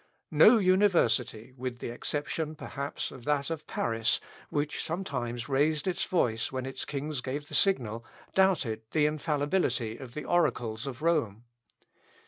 No University, with the exception, perhaps, of that of Paris, which sometimes raised its voice when its kings gave the signal, doubted the infallibility of the oracles of Rome.